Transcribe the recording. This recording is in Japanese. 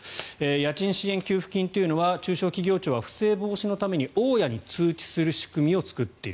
家賃給付金というのは中小企業庁は不正防止のために大家に通知する仕組みを作っている。